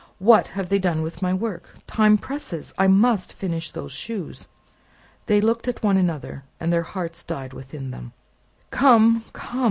What have they done with my work? Time presses: I must finish those shoes." They looked at one another, and their hearts died within them. "Come, come!"